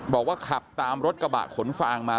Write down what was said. บอกว่าขับตามรถกระบะขนฟางมา